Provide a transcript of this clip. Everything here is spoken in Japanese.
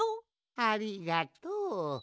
ありがとう。